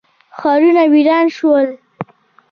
ښارونه ویران شول.